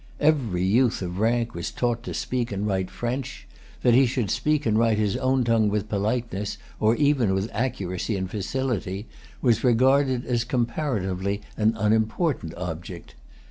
Every youth of rank was taught to speak and write French. That he should speak and write his own tongue with politeness, or even with accuracy and facility, was regarded as comparatively an unimportant object.